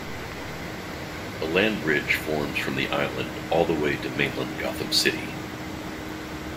A land-bridge forms from the island all the way to mainland Gotham City.